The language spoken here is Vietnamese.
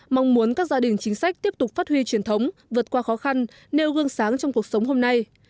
mong muốn các gia đình chính sách tiếp tục phát huy truyền thống vượt qua khó khăn nêu gương sáng trong cuộc sống hôm nay